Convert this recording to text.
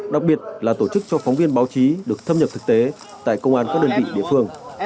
đặc biệt là tổ chức cho phóng viên báo chí được thâm nhập thực tế tại công an các đơn vị địa phương